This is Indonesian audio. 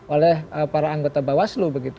oleh para anggota bawaslu begitu